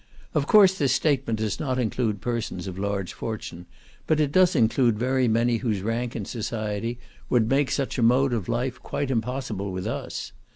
Of course this statement does not include persons of large fortune, but it does include very many whose rank in society would make such a mode of life quite impossible with us.